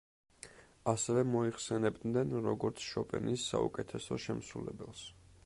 ასევე მოიხსენებდნენ როგორც შოპენის საუკეთესო შემსრულებელს.